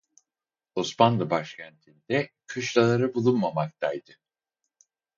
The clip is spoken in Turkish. Osmanlı başkentinde kışlaları bulunmamaktaydı.